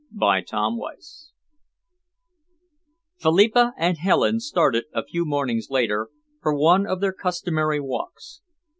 CHAPTER X Philippa and Helen started, a few mornings later, for one of their customary walks.